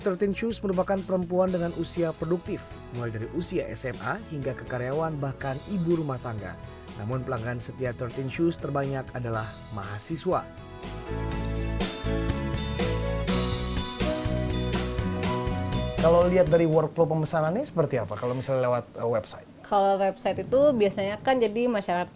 terting sus memiliki dua puluh satu karyawan yang terdiri dari lima belas orang produksi dan sisanya bekerja di jalan terusan cisokan kota bandung jawa barat